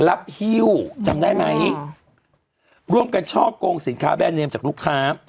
ฮิ้วจำได้ไหมร่วมกันช่อกงสินค้าแบรนเนมจากลูกค้า